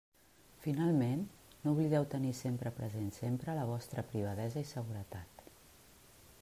Finalment, no oblideu tenir sempre present sempre la vostra privadesa i seguretat.